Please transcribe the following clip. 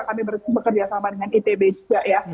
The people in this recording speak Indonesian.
kami bekerja sama dengan itb juga ya